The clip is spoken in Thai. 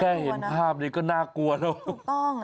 แค่เห็นภาพนี้ก็น่ากลัวแล้วถูกต้อง